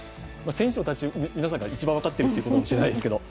選手たち皆さんが一番分かっているということかもしれませんが。